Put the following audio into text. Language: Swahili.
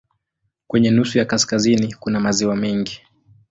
Kwenye nusu ya kaskazini kuna maziwa mengi.